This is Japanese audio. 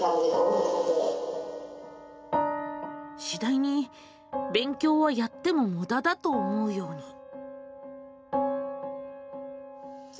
しだいに「勉強はやってもムダだ」と思うように。